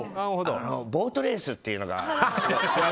ボートレースっていうのが。